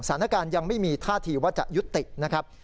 สถานการณ์ยังไม่มีท่าทีว่าจะยุตินะครับ